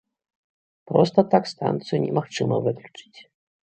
Проста так станцыю немагчыма выключыць.